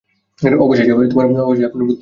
অবশেষে আপনার বোধোদয় হয়েছে!